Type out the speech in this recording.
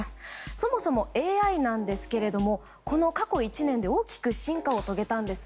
そもそもＡＩなんですけれどもこの過去１年で大きく進化を遂げたんです。